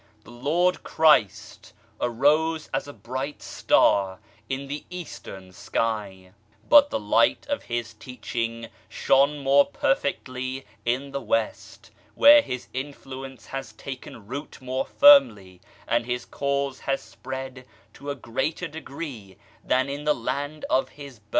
The Lord Christ arose as a bright Star in the Eastern sky, but the Light of His Teaching shone more per fectly in the West, where His influence has taken root more firmly and His Cause has spread to a greater de gree than in the land of His birth.